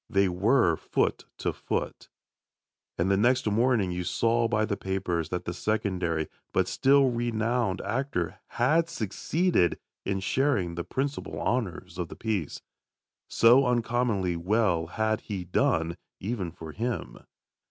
They were foot to foot. And next morning you saw by the papers that the secondary, but still renowned, actor, had succeeded in sharing the principal honours of the piece. So uncommonly well had he done, even for him.